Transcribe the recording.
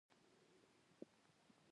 ولایتونه د افغان ښځو په ژوند کې رول لري.